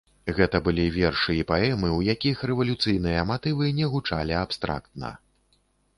Гэта былі вершы і паэмы, у якіх рэвалюцыйныя матывы не гучалі абстрактна.